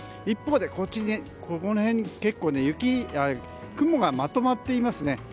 一方で、左側に雲がまとまっていますね。